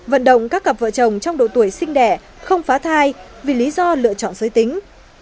vận động các cặp vợ chồng trong độ tuổi sinh đẻ không phá thai vì lý do lựa chọn giới tính